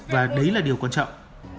và đấy là điều quan trọng